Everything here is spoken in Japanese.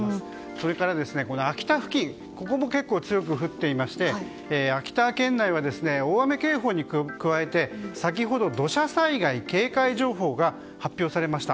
それから秋田付近ここも結構強く降っていまして秋田県内は大雨警報に加えて先ほど土砂災害警戒情報が発表されました。